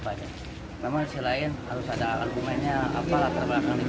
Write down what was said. ppn bahan pangan dinilai memberatkan masyarakat karena harga barang asli